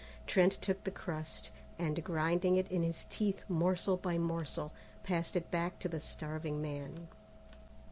Trent took the crust, and grinding it in his teeth morsel by morsel, passed it back to the starving man.